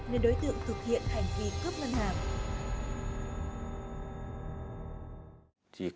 nên đối tượng thực hiện hành vi cướp ngân hàng